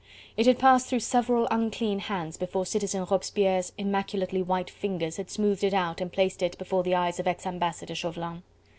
It had passed through several unclean hands before Citizen Robespierre's immaculately white fingers had smoothed it out and placed it before the eyes of ex Ambassador Chauvelin.